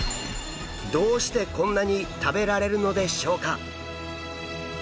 どうしてこんなに食べられるのでしょうか？